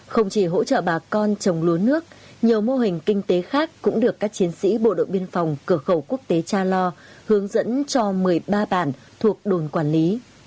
không chỉ hỗ trợ bà con trồng lúa nước nhiều mô hình kinh tế khác cũng được các chiến sĩ bộ đội biên phòng cửa khẩu quốc tế cha lo hướng dẫn cho một mươi ba bản thuộc đồn quản lý